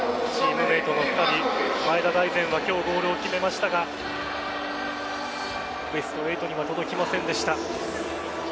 チームメイトの１人前田大然は今日ゴールを決めましたがベスト８には届きませんでした。